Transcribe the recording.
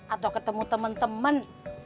atau ketemu temen temen